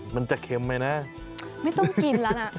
มันจะเค็มไหมนะไม่ต้องกินแล้วนะ